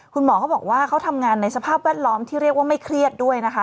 คุณหมอเขาบอกว่าเขาทำงานในสภาพแวดล้อมที่เรียกว่าไม่เครียดด้วยนะคะ